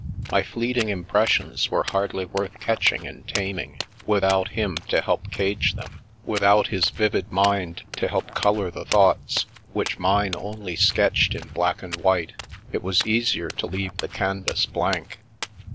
My fleeting impressions were hardly worth catching and taming, without him to help cage them; without his vivid mind to help colour the thoughts, which mine only sketched in black and white, it was easier to leave the canvas blank.